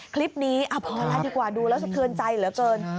คลิปนี้พอแล้วดีกว่าดูแล้วสะเทือนใจเหลือเกิน